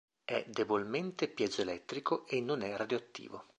È debolmente piezoelettrico e non è radioattivo.